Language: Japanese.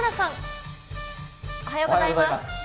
おはようございます。